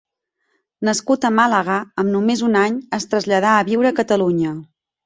Nascut a Màlaga, amb només un any es traslladà a viure a Catalunya.